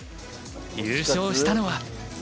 優勝したのは。